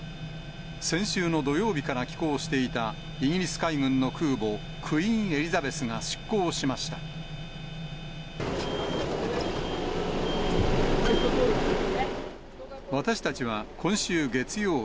先週の土曜日から寄港していたイギリス海軍の空母クイーン・エリザベスが出港しました。